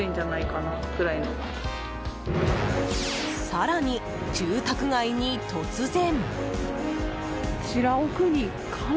更に、住宅街に突然。